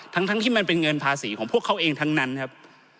ทั้งที่มันเป็นเงินภาษีของพวกเขาเองทั้งนั้นครับ